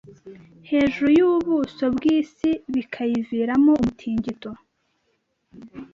hejuru yubuso bwisi bikaviramo umutingito